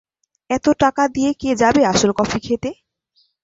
এত টাকা দিয়ে কে যাবে আসল কফি খেতে?